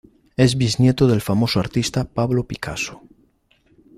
Es bisnieto del famoso artista, Pablo Picasso.